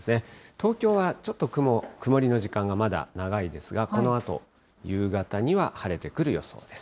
東京はちょっと曇りの時間がまだ長いですが、このあと夕方には晴れてくる予想です。